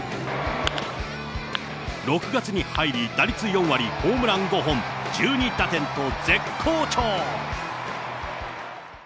６月に入り、打率４割、ホームラン５本、１２打点と絶好調。